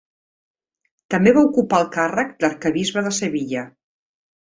També va ocupar el càrrec d'arquebisbe de Sevilla.